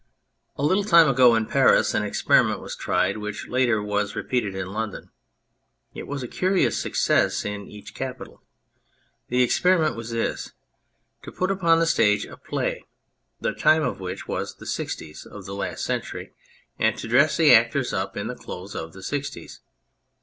A little time ago in Paris an experiment was tried, which later was repeated in London. It was a curious success in each capital. The experiment was this : to put upon the stage a play, the time of which was the sixties of the last century, and to dress the actors up in the clothes of the sixties.